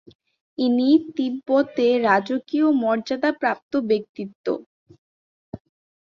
ইনি তিব্বতে রাজকীয় মর্যাদাপ্রাপ্ত ব্যক্তিত্ব।